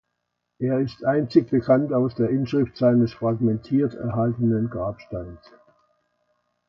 Er ist einzig bekannt aus der Inschrift seines fragmentiert erhaltenen Grabsteins.